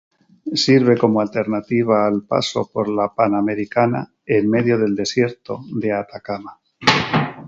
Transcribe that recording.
Sirve como alternativa al paso por la Panamericana en medio del desierto de Atacama.